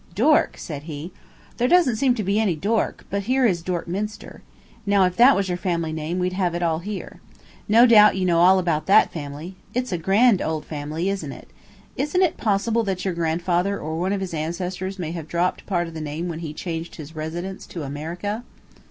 "Dork?" said he. "There doesn't seem to be any Dork, but here is Dorkminster. Now if that was your family name we'd have it all here. No doubt you know all about that family. It's a grand old family, isn't it? Isn't it possible that your grandfather or one of his ancestors may have dropped part of the name when he changed his residence to America?"